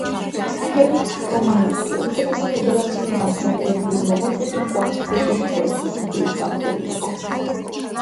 ფელიქს რომანოვსკი, რუსეთის ფედერაციის დამსახურებული მოღვაწე კი კვარცხლბეკის პროექტის იდეის ავტორი იყო.